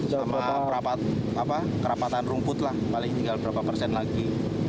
sama perapatan rumput lah paling tinggal berapa persen lagi